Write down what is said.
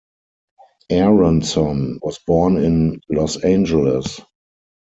Aaronson was born in Los Angeles.